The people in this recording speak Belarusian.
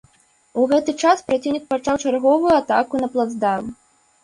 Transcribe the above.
У гэты час праціўнік пачаў чарговую атаку на плацдарм.